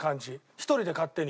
１人で勝手に。